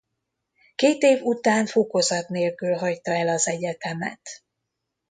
Két év után fokozat nélkül hagyta el az egyetemet.